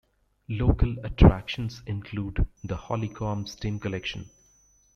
Local attractions include the Hollycombe Steam Collection.